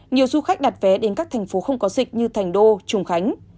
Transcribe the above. nhiều du khách đặt vé đến các thành phố không có dịch như thành đô trùng khánh